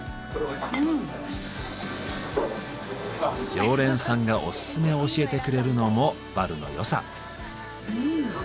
常連さんがオススメを教えてくれるのもバルの良さ。